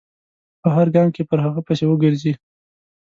په هر ګام کې پر هغه پسې و ګرځي.